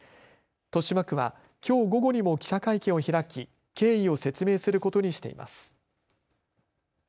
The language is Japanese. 豊島区は、きょう午後にも記者会見を開き経緯を説明することにしています。